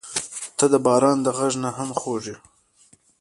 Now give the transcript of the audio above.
• ته د باران غږ نه هم خوږه یې.